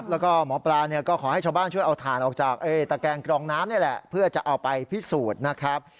แล้วก็หมอปลาก็ขอให้ชาวบ้านช่วยเอาถ่านออกจากตะแกงกรองน้ำนี่แหละเพื่อจะเอาไปพิสูจน์นะครับ